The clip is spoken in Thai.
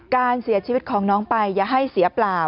การเสียชีวิตของน้องไปอย่าให้เสียเปล่า